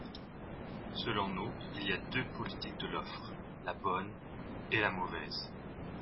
Selon nous, il y a deux politiques de l’offre : la bonne et la mauvaise.